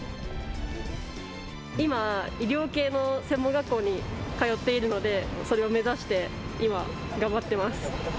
今、医療系の専門学校に通っているのでそれを目指して今、頑張っています。